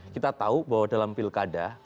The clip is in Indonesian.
kita tahu bahwa dalam pilkada